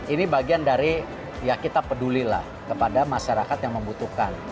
ini bagian dari ya kita pedulilah kepada masyarakat yang membutuhkan